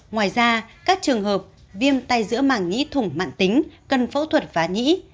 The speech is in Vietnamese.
ngoài ra các trường hợp viêm tay giữa màng nhí thủng mạng tính cân phẫu thuật và nhĩ